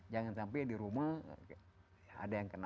jangan sampai di rumah ada yang kena